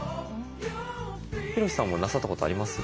ヒロシさんもなさったことあります？